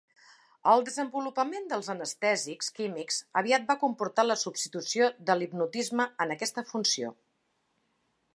El desenvolupament dels anestèsics químics aviat va comportar la substitució de l'hipnotisme en aquesta funció.